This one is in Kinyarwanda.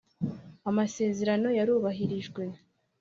Amasezerano yarubahirijwe